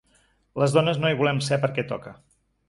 Les dones no hi volem ser perquè toca.